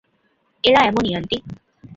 এরা এমনই, আন্টি।